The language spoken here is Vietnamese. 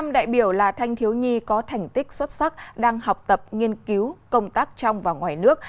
một trăm linh đại biểu là thanh thiếu nhi có thành tích xuất sắc đang học tập nghiên cứu công tác trong và ngoài nước